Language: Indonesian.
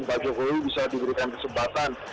pak jokowi bisa diberikan kesempatan